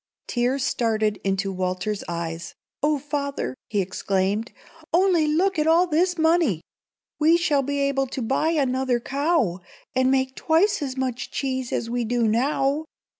Tears started into Walter's eyes. "Oh, father!" he exclaimed, "only look at all this money! We shall be able to buy another cow, and make twice as much cheese as we do now.